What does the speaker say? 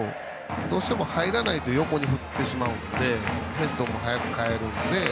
どうしても入らないで横に振ってしまうのでヘッドも早く返るので。